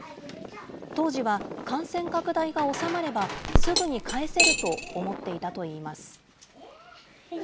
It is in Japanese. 当時は感染拡大が収まればすぐに返せると思っていたといいます。